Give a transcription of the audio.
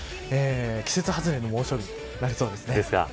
季節外れの猛暑日になりそうです。